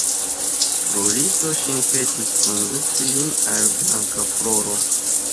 Floriso ŝin petis konduki lin al Blankafloro.